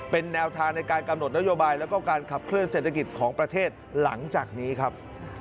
เป็นแนวทางในการกำหนดนโยบายแล้วก็การขับเคลื่อเศรษฐกิจของประเทศหลังจากนี้ครับ